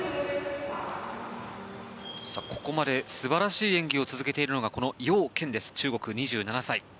ここまで素晴らしい演技を続けているのがこのヨウ・ケンです中国、２７歳。